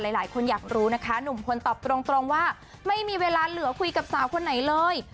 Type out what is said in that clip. หลายคนอยากรู้นะคะหนุ่มพลตอบตรงว่าไม่มีเวลาเหลือคุยกับสาวคนไหนเลย